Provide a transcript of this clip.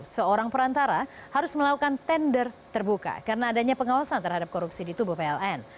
seorang perantara harus melakukan tender terbuka karena adanya pengawasan terhadap korupsi di tubuh pln